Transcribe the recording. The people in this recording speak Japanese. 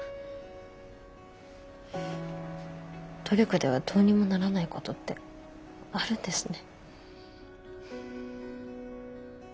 努力ではどうにもならないことってあるんですね。